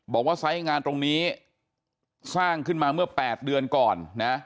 บอกว่าไซด์งานตรงนี้สร้างขึ้นมาเมื่อแปดเดือนก่อนนะ